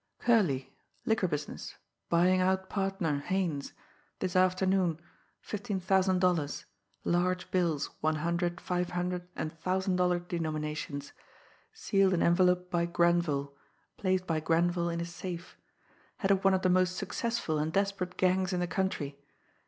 "... Curley ... liquor business ... buying out partner, Haines ... this afternoon ... fifteen thousand dollars ... large bills, one hundred, five hundred and thousand dollar denominations ... sealed in envelope by Grenville ... placed by Grenville in his safe ... head of one of the most successful and desperate gangs in the country